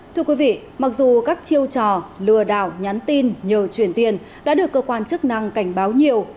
thưa quý vị mặc dù các chiêu trò lừa đảo nhắn tin nhờ truyền tiền đã được cơ quan chức năng cảnh báo nhiều